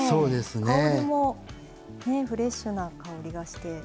香りもねフレッシュな香りがして。